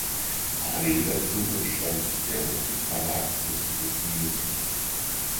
Parallel dazu entstand der Musikverlag Biscuit Music.